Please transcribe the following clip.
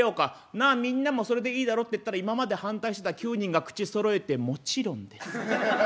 なあみんなもそれでいいだろ？」って言ったら今まで反対してた９人が口そろえて「もちろんです」。